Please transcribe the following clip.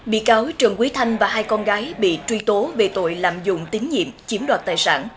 bị cáo trần quý thanh và hai con gái bị truy tố về tội lạm dụng tín nhiệm chiếm đoạt tài sản